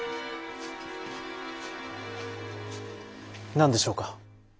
何でしょうか？